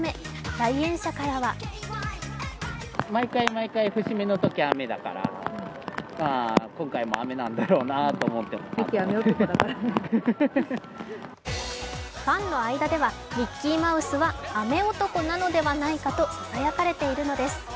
来園者からはファンの間ではミッキーマウスは雨男なのではないかとささやかれているのです。